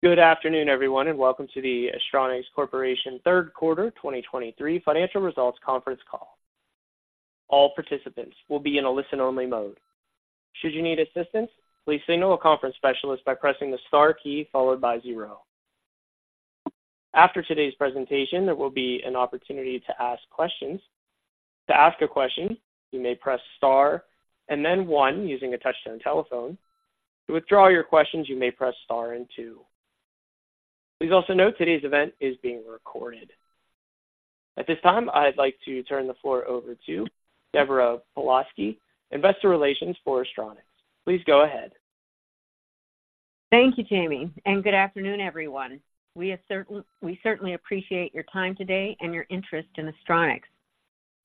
Good afternoon, everyone, and welcome to the Astronics Corporation Third Quarter 2023 Financial Results Conference Call. All participants will be in a listen-only mode. Should you need assistance, please signal a conference specialist by pressing the star key followed by zero. After today's presentation, there will be an opportunity to ask questions. To ask a question, you may press star and then one using a touchtone telephone. To withdraw your questions, you may press star and two. Please also note, today's event is being recorded. At this time, I'd like to turn the floor over to Deborah Pawlowski, Investor Relations for Astronics. Please go ahead. Thank you, Jamie, and good afternoon, everyone. We certainly appreciate your time today and your interest in Astronics.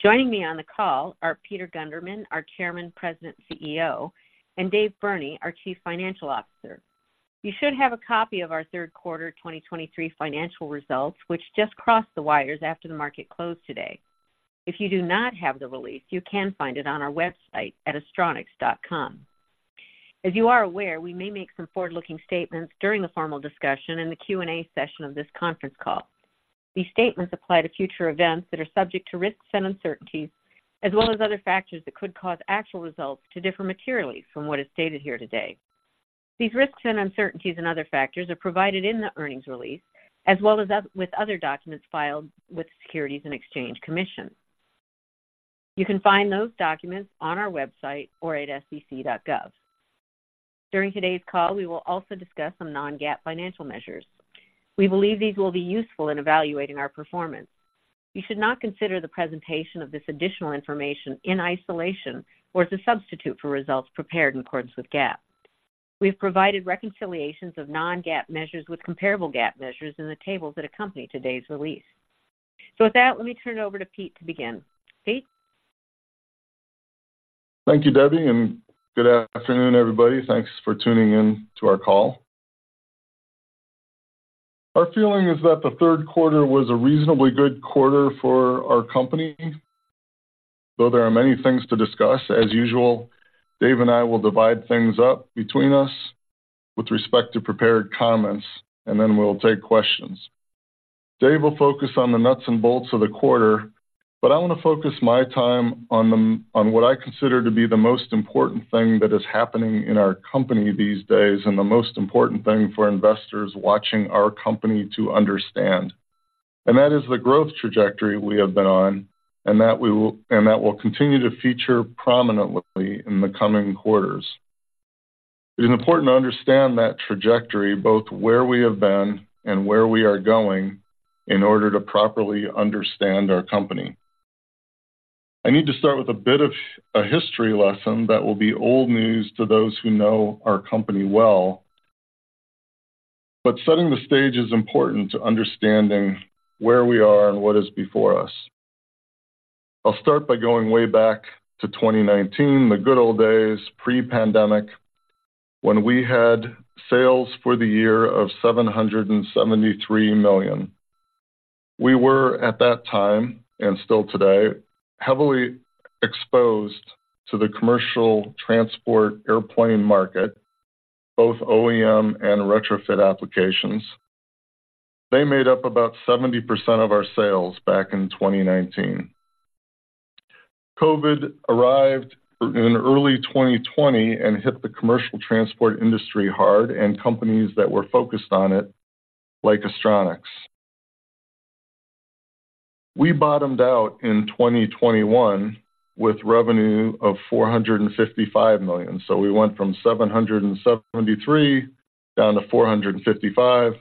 Joining me on the call are Peter Gundermann, our Chairman, President, CEO, and Dave Burney, our Chief Financial Officer. You should have a copy of our third quarter 2023 financial results, which just crossed the wires after the market closed today. If you do not have the release, you can find it on our website at astronics.com. As you are aware, we may make some forward-looking statements during the formal discussion in the Q&A session of this conference call. These statements apply to future events that are subject to risks and uncertainties, as well as other factors that could cause actual results to differ materially from what is stated here today. These risks and uncertainties and other factors are provided in the earnings release, as well as with other documents filed with the Securities and Exchange Commission. You can find those documents on our website or at sec.gov. During today's call, we will also discuss some non-GAAP financial measures. We believe these will be useful in evaluating our performance. You should not consider the presentation of this additional information in isolation or as a substitute for results prepared in accordance with GAAP. We have provided reconciliations of non-GAAP measures with comparable GAAP measures in the tables that accompany today's release. With that, let me turn it over to Pete to begin. Pete? Thank you, Debbie, and good afternoon, everybody. Thanks for tuning in to our call. Our feeling is that the third quarter was a reasonably good quarter for our company. Though there are many things to discuss, as usual, Dave and I will divide things up between us with respect to prepared comments, and then we'll take questions. Dave will focus on the nuts and bolts of the quarter, but I want to focus my time on the, on what I consider to be the most important thing that is happening in our company these days, and the most important thing for investors watching our company to understand. And that is the growth trajectory we have been on, and that we will, and that will continue to feature prominently in the coming quarters. It is important to understand that trajectory, both where we have been and where we are going, in order to properly understand our company. I need to start with a bit of a history lesson that will be old news to those who know our company well. But setting the stage is important to understanding where we are and what is before us. I'll start by going way back to 2019, the good old days, pre-pandemic, when we had sales for the year of $773 million. We were, at that time, and still today, heavily exposed to the commercial transport airplane market, both OEM and retrofit applications. They made up about 70% of our sales back in 2019. COVID arrived in early 2020 and hit the commercial transport industry hard and companies that were focused on it, like Astronics. We bottomed out in 2021 with revenue of $455 million. So we went from $773 million down to $455 million.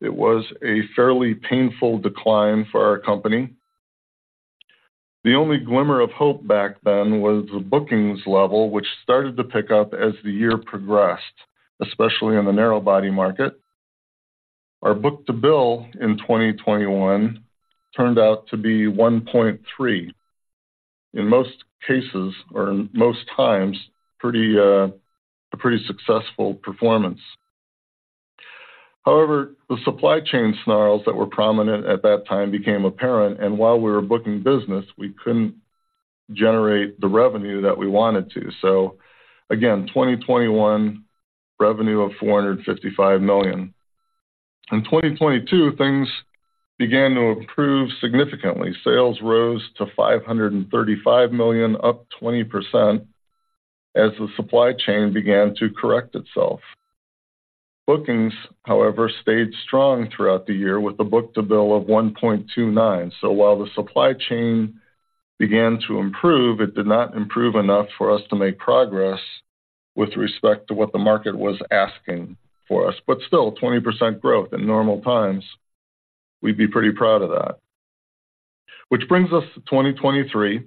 It was a fairly painful decline for our company. The only glimmer of hope back then was the bookings level, which started to pick up as the year progressed, especially in the narrow-body market. Our book-to-bill in 2021 turned out to be 1.3. In most cases, or most times, pretty, a pretty successful performance. However, the supply chain snarls that were prominent at that time became apparent, and while we were booking business, we couldn't generate the revenue that we wanted to. So again, 2021, revenue of $455 million. In 2022, things began to improve significantly. Sales rose to $535 million, up 20%, as the supply chain began to correct itself. Bookings, however, stayed strong throughout the year, with a book-to-bill of 1.29. So while the supply chain began to improve, it did not improve enough for us to make progress with respect to what the market was asking for us. But still, 20% growth in normal times, we'd be pretty proud of that. Which brings us to 2023,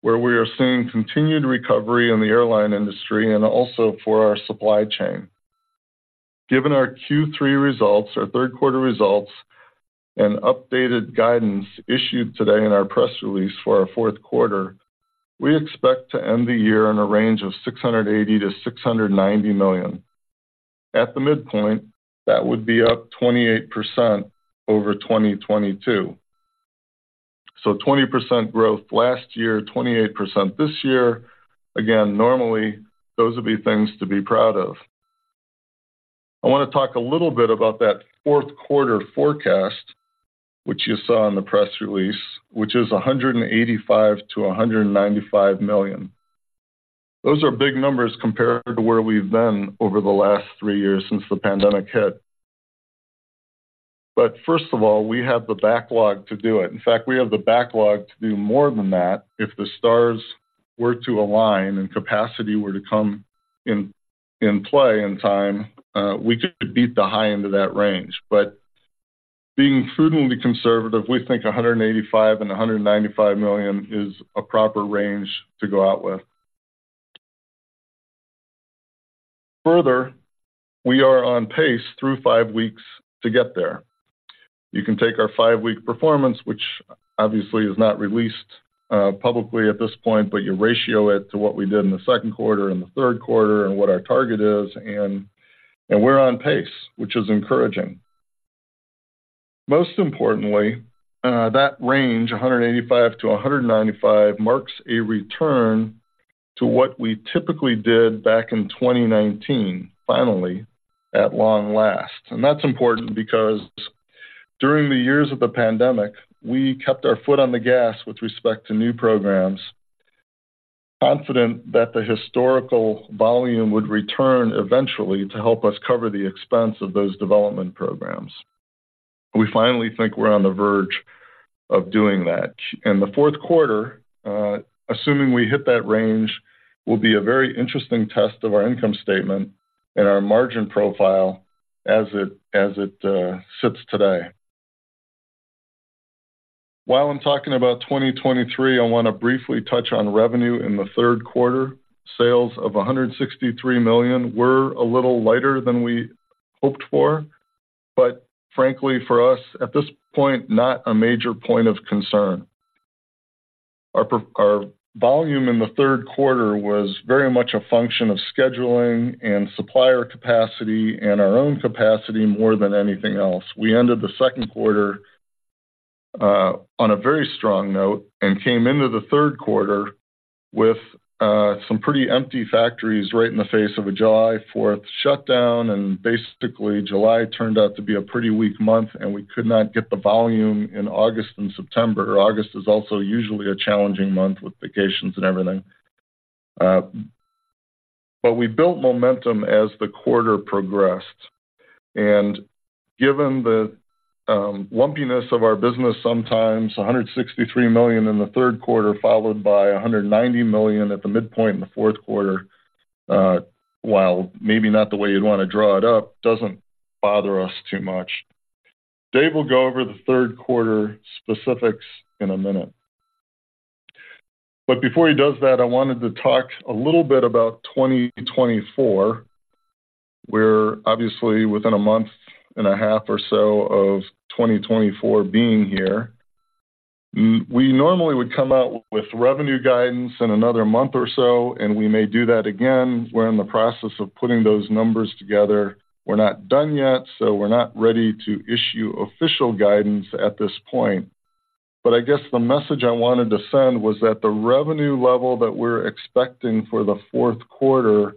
where we are seeing continued recovery in the airline industry and also for our supply chain. Given our Q3 results, our third quarter results, and updated guidance issued today in our press release for our fourth quarter, we expect to end the year in a range of $680 million-$690 million. At the midpoint, that would be up 28% over 2022. So 20% growth last year, 28% this year. Again, normally, those would be things to be proud of. I want to talk a little bit about that fourth quarter forecast, which you saw in the press release, which is $185 million-$195 million. Those are big numbers compared to where we've been over the last three years since the pandemic hit. But first of all, we have the backlog to do it. In fact, we have the backlog to do more than that. If the stars were to align and capacity were to come in play in time, we could beat the high end of that range. But being prudently conservative, we think $185 million-$195 million is a proper range to go out with. Further, we are on pace through five weeks to get there. You can take our five-week performance, which obviously is not released publicly at this point, but you ratio it to what we did in the second quarter and the third quarter and what our target is, and we're on pace, which is encouraging. Most importantly, that range, $185 million-$195 million, marks a return to what we typically did back in 2019, finally, at long last. And that's important because during the years of the pandemic, we kept our foot on the gas with respect to new programs, confident that the historical volume would return eventually to help us cover the expense of those development programs. We finally think we're on the verge of doing that. In the fourth quarter, assuming we hit that range, will be a very interesting test of our income statement and our margin profile as it sits today. While I'm talking about 2023, I want to briefly touch on revenue in the third quarter. Sales of $163 million were a little lighter than we hoped for, but frankly, for us, at this point, not a major point of concern. Our volume in the third quarter was very much a function of scheduling and supplier capacity and our own capacity more than anything else. We ended the second quarter on a very strong note and came into the third quarter with some pretty empty factories right in the face of a July fourth shutdown, and basically, July turned out to be a pretty weak month, and we could not get the volume in August and September. August is also usually a challenging month with vacations and everything. But we built momentum as the quarter progressed, and given the lumpiness of our business, sometimes $163 million in the third quarter, followed by $190 million at the midpoint in the fourth quarter, while maybe not the way you'd want to draw it up, doesn't bother us too much. Dave will go over the third quarter specifics in a minute. But before he does that, I wanted to talk a little bit about 2024, we're obviously within a month and a half or so of 2024 being here. We normally would come out with revenue guidance in another month or so, and we may do that again. We're in the process of putting those numbers together. We're not done yet, so we're not ready to issue official guidance at this point. But I guess the message I wanted to send was that the revenue level that we're expecting for the fourth quarter,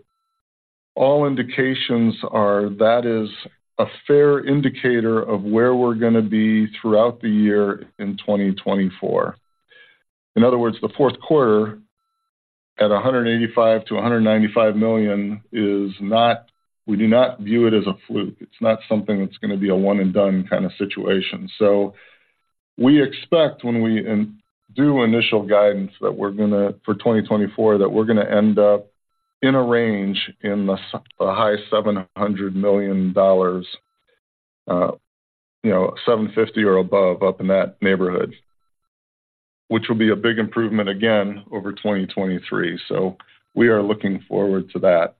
all indications are that is a fair indicator of where we're going to be throughout the year in 2024. In other words, the fourth quarter at $185 million-$195 million is not, we do not view it as a fluke. It's not something that's going to be a one-and-done kind of situation. So we expect when we do initial guidance, that we're gonna—for 2024, that we're gonna end up in a range in the high $700 million, you know, $750 or above, up in that neighborhood, which will be a big improvement again over 2023. So we are looking forward to that.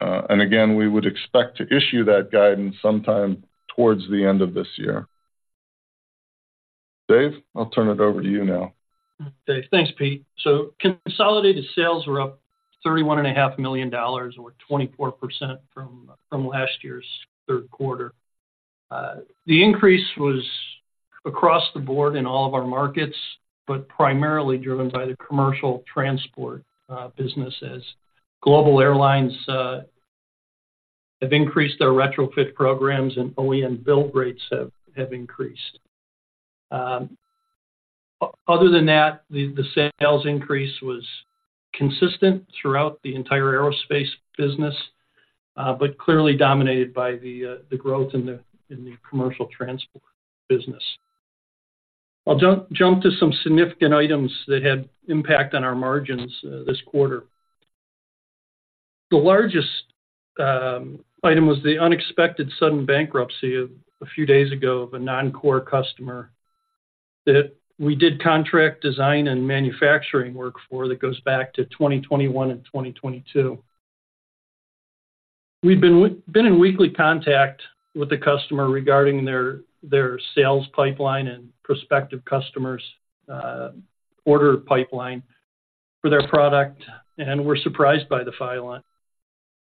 And again, we would expect to issue that guidance sometime towards the end of this year. Dave, I'll turn it over to you now. Thanks, Pete. So consolidated sales were up $31.5 million, or 24% from last year's third quarter. The increase was across the board in all of our markets, but primarily driven by the commercial transport businesses. Global airlines have increased their retrofit programs, and OEM and build rates have increased. Other than that, the sales increase was consistent throughout the entire aerospace business, but clearly dominated by the growth in the commercial transport business. I'll jump to some significant items that had impact on our margins this quarter. The largest item was the unexpected sudden bankruptcy a few days ago of a non-core customer that we did contract design and manufacturing work for, that goes back to 2021 and 2022. We've been in weekly contact with the customer regarding their, their sales pipeline and prospective customers, order pipeline for their product, and we're surprised by the filing.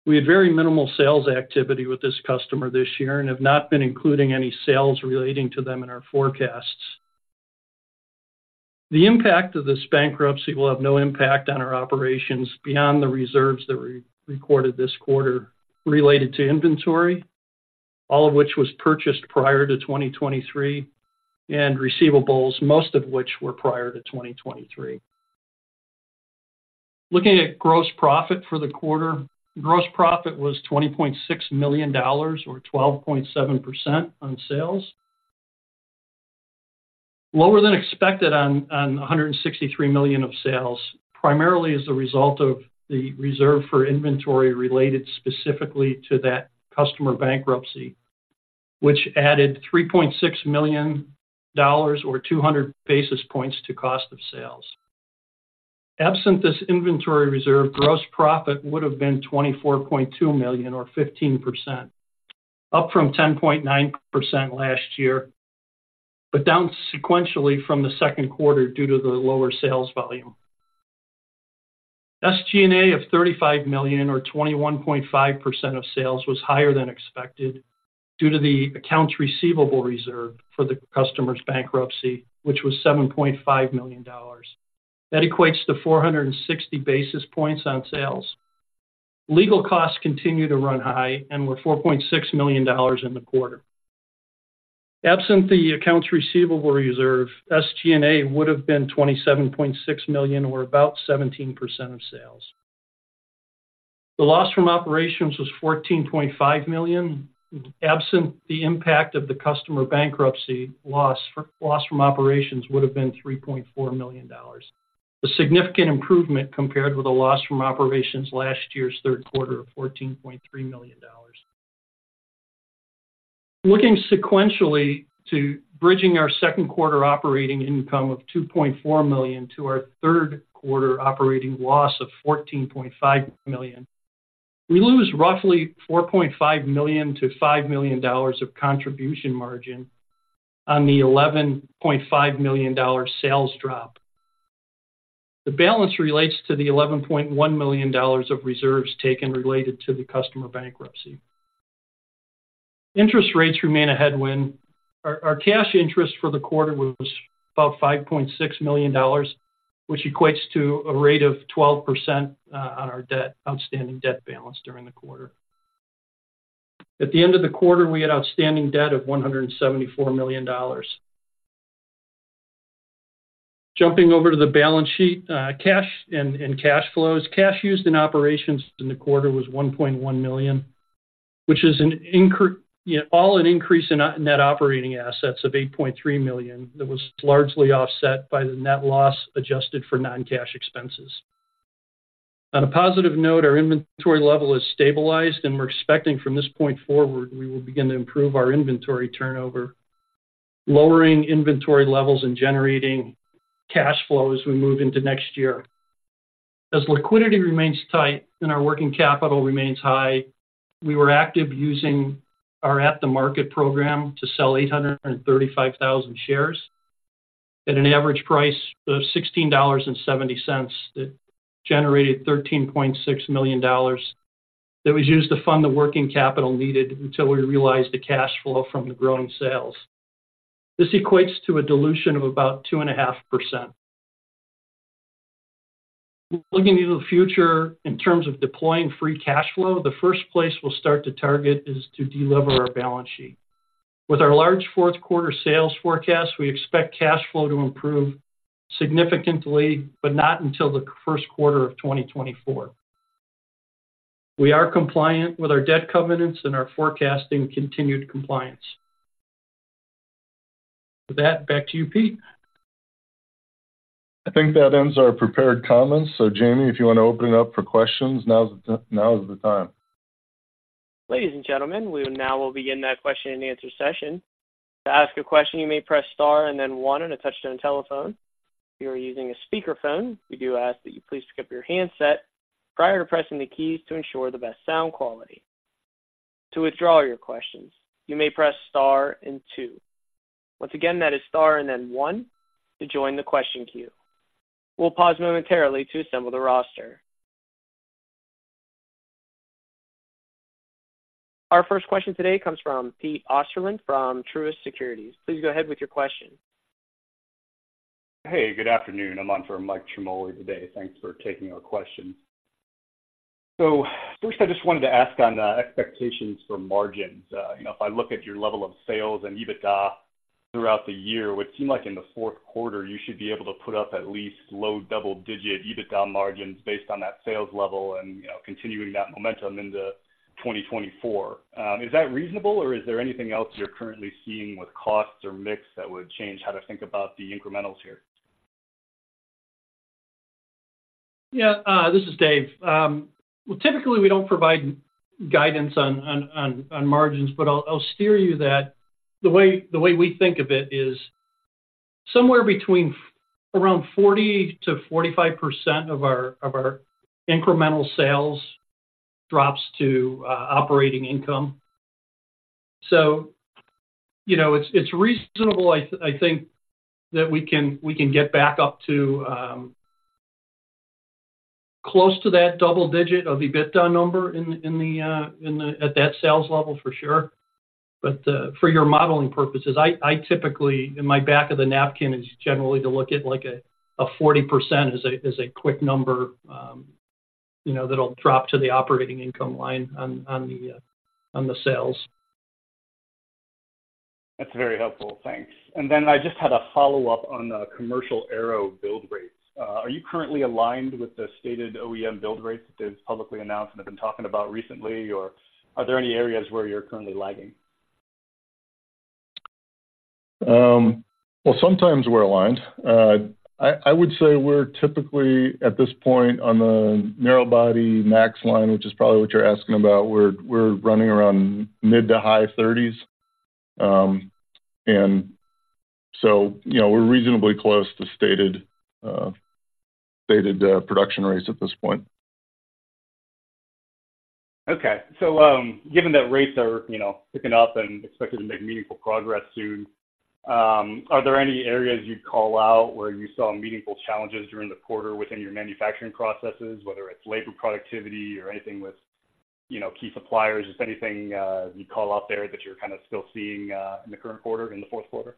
We had very minimal sales activity with this customer this year and have not been including any sales relating to them in our forecasts. The impact of this bankruptcy will have no impact on our operations beyond the reserves that we recorded this quarter related to inventory, all of which was purchased prior to 2023, and receivables, most of which were prior to 2023. Looking at gross profit for the quarter, gross profit was $20.6 million, or 12.7% on sales. Lower than expected on $163 million of sales, primarily as a result of the reserve for inventory related specifically to that customer bankruptcy, which added $3.6 million or 200 basis points to cost of sales. Absent this inventory reserve, gross profit would have been $24.2 million or 15%, up from 10.9% last year, but down sequentially from the second quarter due to the lower sales volume. SG&A of $35 million or 21.5% of sales was higher than expected due to the accounts receivable reserve for the customer's bankruptcy, which was $7.5 million. That equates to 460 basis points on sales. Legal costs continue to run high and were $4.6 million in the quarter. Absent the accounts receivable reserve, SG&A would have been $27.6 million or about 17% of sales. The loss from operations was $14.5 million. Absent the impact of the customer bankruptcy, loss from operations would have been $3.4 million. A significant improvement compared with the loss from operations last year's third quarter of $14.3 million. Looking sequentially to bridging our second quarter operating income of $2.4 million to our third quarter operating loss of $14.5 million, we lose roughly $4.5 million-$5 million of contribution margin on the $11.5 million sales drop. The balance relates to the $11.1 million of reserves taken related to the customer bankruptcy. Interest rates remain a headwind. Our cash interest for the quarter was about $5.6 million, which equates to a rate of 12% on our debt, outstanding debt balance during the quarter. At the end of the quarter, we had outstanding debt of $174 million. Jumping over to the balance sheet, cash and cash flows. Cash used in operations in the quarter was $1.1 million, which is an increase in net operating assets of $8.3 million. That was largely offset by the net loss adjusted for non-cash expenses. On a positive note, our inventory level has stabilized, and we're expecting from this point forward, we will begin to improve our inventory turnover, lowering inventory levels and generating cash flow as we move into next year. As liquidity remains tight and our working capital remains high, we were active using our at-the-market program to sell 835,000 shares at an average price of $16.70. That generated $13.6 million that was used to fund the working capital needed until we realized the cash flow from the growing sales. This equates to a dilution of about 2.5%. Looking into the future in terms of deploying free cash flow, the first place we'll start to target is to de-lever our balance sheet. With our large fourth quarter sales forecast, we expect cash flow to improve significantly, but not until the first quarter of 2024. We are compliant with our debt covenants and are forecasting continued compliance. With that, back to you, Pete. I think that ends our prepared comments. So, Jamie, if you want to open it up for questions, now is the, now is the time. Ladies and gentlemen, we now will begin that question and answer session. To ask a question, you may press star and then one on a touch-tone telephone. If you are using a speakerphone, we do ask that you please pick up your handset prior to pressing the keys to ensure the best sound quality. To withdraw your questions, you may press star and two. Once again, that is star and then one to join the question queue. We'll pause momentarily to assemble the roster. Our first question today comes from Pete Osterland from Truist Securities. Please go ahead with your question. Hey, good afternoon. I'm on for Mike Ciarmoli today. Thanks for taking our question. So first, I just wanted to ask on the expectations for margins. You know, if I look at your level of sales and EBITDA throughout the year, it would seem like in the fourth quarter, you should be able to put up at least low double-digit EBITDA margins based on that sales level and, you know, continuing that momentum into 2024. Is that reasonable, or is there anything else you're currently seeing with costs or mix that would change how to think about the incrementals here? Yeah, this is Dave. Well, typically, we don't provide guidance on margins, but I'll steer you that the way we think of it is somewhere between around 40%-45% of our incremental sales drops to operating income. So, you know, it's reasonable, I think, that we can get back up to close to that double digit of EBITDA number in the at that sales level, for sure. But for your modeling purposes, I typically, in my back of the napkin, is generally to look at, like, a 40% as a quick number, you know, that'll drop to the operating income line on the sales. That's very helpful. Thanks. Then I just had a follow-up on the commercial aero build rates. Are you currently aligned with the stated OEM build rates that they've publicly announced and have been talking about recently, or are there any areas where you're currently lagging? Well, sometimes we're aligned. I would say we're typically, at this point, on the narrow-body MAX line, which is probably what you're asking about. We're running around mid- to high 30s. And so, you know, we're reasonably close to stated production rates at this point. Okay. So, given that rates are, you know, picking up and expected to make meaningful progress soon, are there any areas you'd call out where you saw meaningful challenges during the quarter within your manufacturing processes, whether it's labor productivity or anything with, you know, key suppliers? Just anything, you'd call out there that you're kind of still seeing, in the current quarter, in the fourth quarter?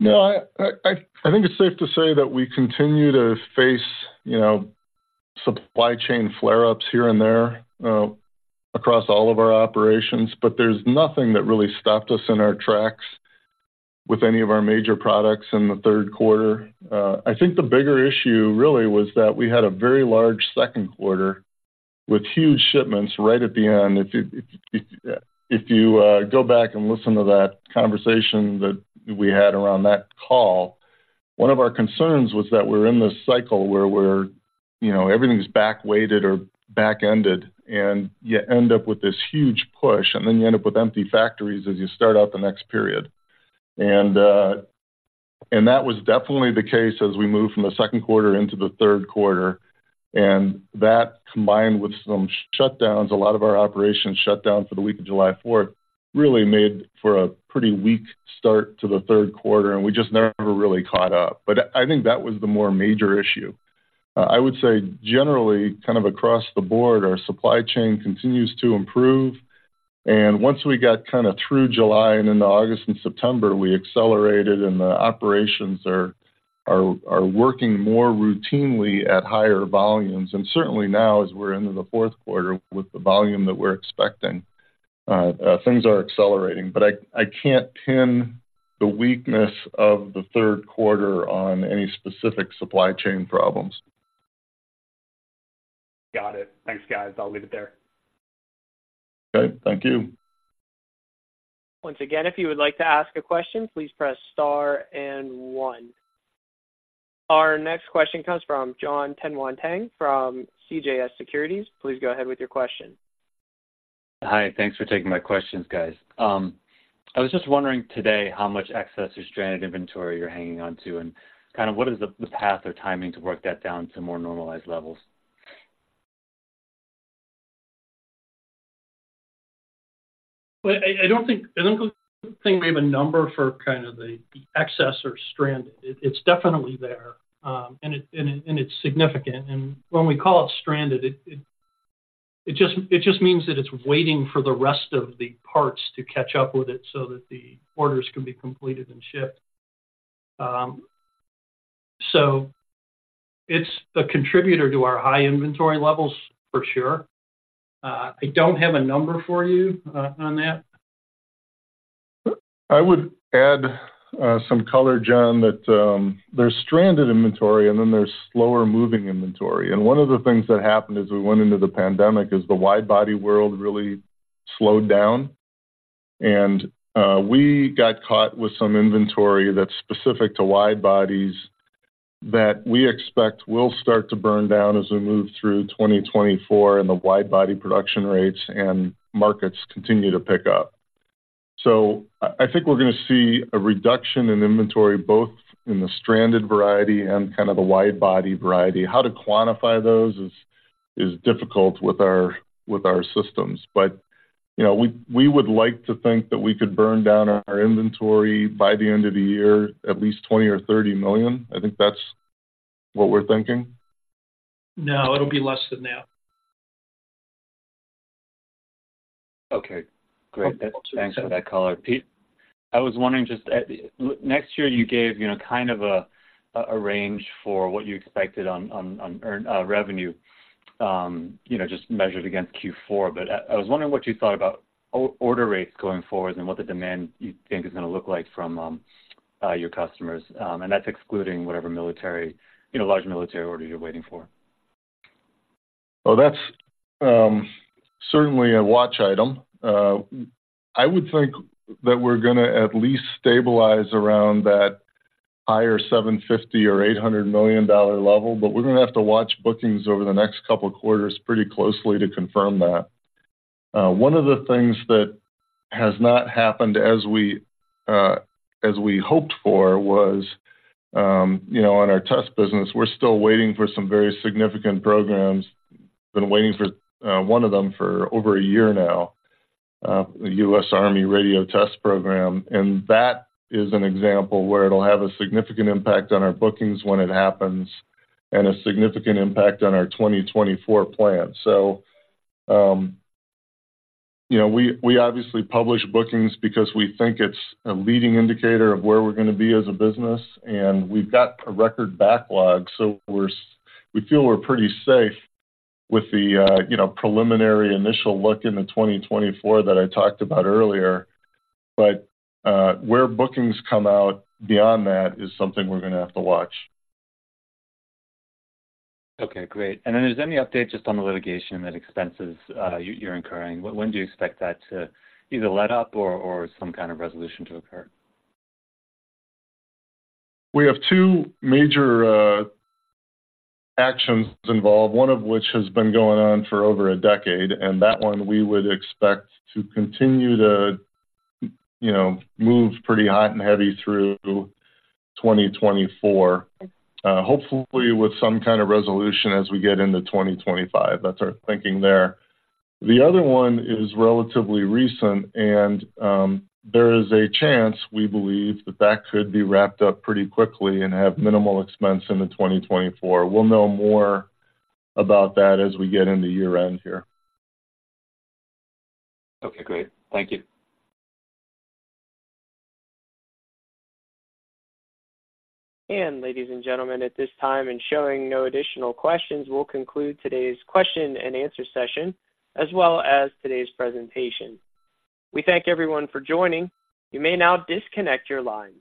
No, I think it's safe to say that we continue to face, you know, supply chain flare-ups here and there across all of our operations, but there's nothing that really stopped us in our tracks with any of our major products in the third quarter. I think the bigger issue really was that we had a very large second quarter with huge shipments right at the end. If you go back and listen to that conversation that we had around that call, one of our concerns was that we're in this cycle where we're, you know, everything's backweighted or back-ended, and you end up with this huge push, and then you end up with empty factories as you start out the next period. That was definitely the case as we moved from the second quarter into the third quarter, and that, combined with some shutdowns, a lot of our operations shut down for the week of July Fourth, really made for a pretty weak start to the third quarter, and we just never really caught up. But I think that was the more major issue. I would say, generally, kind of across the board, our supply chain continues to improve, and once we got kind of through July and into August and September, we accelerated, and the operations are working more routinely at higher volumes. And certainly now, as we're into the fourth quarter with the volume that we're expecting, things are accelerating. But I can't pin the weakness of the third quarter on any specific supply chain problems. Got it. Thanks, guys. I'll leave it there. Okay, thank you. Once again, if you would like to ask a question, please press star and one. Our next question comes from Jon Tanwanteng from CJS Securities. Please go ahead with your question. Hi, thanks for taking my questions, guys. I was just wondering today, how much excess or stranded inventory you're hanging on to, and kind of what is the path or timing to work that down to more normalized levels? Well, I don't think we have a number for kind of the excess or stranded. It's definitely there, and it's significant. And when we call it stranded, it just means that it's waiting for the rest of the parts to catch up with it so that the orders can be completed and shipped. So it's a contributor to our high inventory levels for sure. I don't have a number for you on that. I would add some color, John, that there's stranded inventory, and then there's slower-moving inventory. One of the things that happened as we went into the pandemic is the widebody world really slowed down, and we got caught with some inventory that's specific to widebodies that we expect will start to burn down as we move through 2024, and the widebody production rates and markets continue to pick up. So I think we're gonna see a reduction in inventory, both in the stranded variety and kind of the widebody variety. How to quantify those is difficult with our systems. But you know, we would like to think that we could burn down our inventory by the end of the year, at least $20 million-$30 million. I think that's what we're thinking. No, it'll be less than that. Okay, great. Thanks for that color. Pete, I was wondering just looking at next year, you gave, you know, kind of a range for what you expected on earnings revenue, you know, just measured against Q4. But, I was wondering what you thought about order rates going forward and what the demand you think is gonna look like from your customers, and that's excluding whatever military, you know, large military order you're waiting for. Well, that's certainly a watch item. I would think that we're gonna at least stabilize around that higher $750 million-$800 million level, but we're gonna have to watch bookings over the next couple of quarters pretty closely to confirm that. One of the things that has not happened as we hoped for, you know, on our test business, we're still waiting for some very significant programs. Been waiting for one of them for over a year now, the U.S. Army Radio Test Program. And that is an example where it'll have a significant impact on our bookings when it happens and a significant impact on our 2024 plan. So, you know, we obviously publish bookings because we think it's a leading indicator of where we're gonna be as a business, and we've got a record backlog, so we're, we feel we're pretty safe with the, you know, preliminary initial look into 2024 that I talked about earlier. But, where bookings come out beyond that is something we're gonna have to watch. Okay, great. And then is there any update just on the litigation and the expenses you, you're incurring? When do you expect that to either let up or some kind of resolution to occur? We have two major actions involved, one of which has been going on for over a decade, and that one we would expect to continue to, you know, move pretty hot and heavy through 2024, hopefully with some kind of resolution as we get into 2025. That's our thinking there. The other one is relatively recent, and there is a chance, we believe, that that could be wrapped up pretty quickly and have minimal expense into 2024. We'll know more about that as we get into year-end here. Okay, great. Thank you. Ladies and gentlemen, at this time, and showing no additional questions, we'll conclude today's question and answer session, as well as today's presentation. We thank everyone for joining. You may now disconnect your lines.